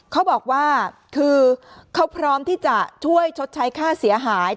เขาบอกว่าคือเขาพร้อมที่จะช่วยชดใช้ค่าเสียหาย